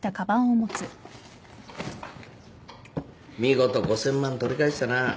見事５，０００万取り返したな。